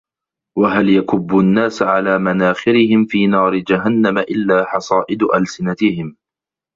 وَهَلْ يَكُبُّ النَّاسَ عَلَى مَنَاخِرِهِمْ فِي نَارِ جَهَنَّمَ إلَّا حَصَائِدُ أَلْسِنَتِهِمْ